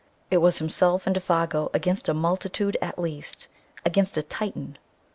It was himself and Défago against a multitude at least, against a Titan!